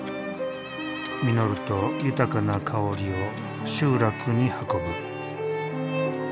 実ると豊かな香りを集落に運ぶ。